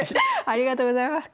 ありがとうございます。